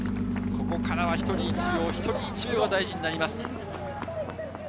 ここからは１人１秒、１人１秒が大事になります。